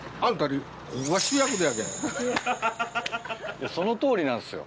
いやそのとおりなんですよ